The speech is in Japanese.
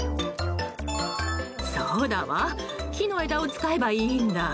そうだわ木の枝を使えばいいんだ！